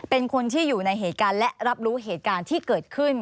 เป็นคนที่อยู่ในเหตุการณ์และรับรู้เหตุการณ์ที่เกิดขึ้น